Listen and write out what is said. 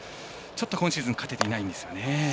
今シーズン勝てていないんですよね。